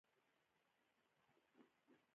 ژبني مهارتونه باید زده کړل سي.